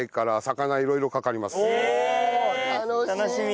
楽しみ。